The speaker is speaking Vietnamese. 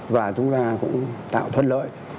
và chúng ta cũng tạo thuận lợi